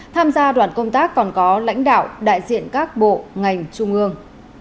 tham gia đoàn công tác còn có lãnh đạo đại diện các bộ ngành trung ương